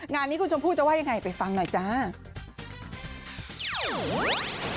งานนี้คุณชมพู่จะว่ายังไงไปฟังหน่อยจ้า